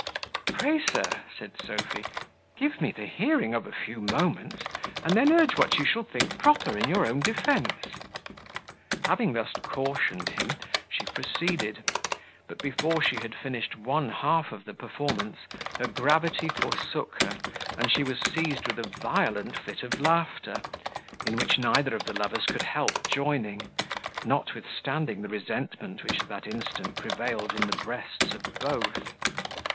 "Pray, sir," said Sophy, "give me the hearing for a few moments, and then urge what you shall think proper in your own defence." Having thus cautioned him, she proceeded; but before she had finished one half of the performance, her gravity forsook her, and she was seized with a violent fit of laughter, in which neither of the lovers could help joining, notwithstanding the resentment which at that instant prevailed in the breasts of both.